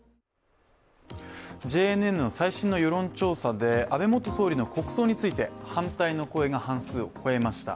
ＪＮＮの最新の世論調査で安倍元総理の国葬について反対の声が半数を超えました。